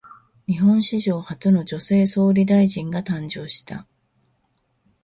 日本史上初の女性総理大臣が誕生した。